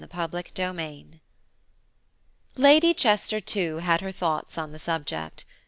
CHAPTER XVIII LADY CHESTER, too, had her thoughts on the subject.